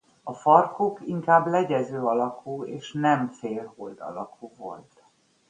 A farkuk inkább legyező alakú és nem félhold alakú volt.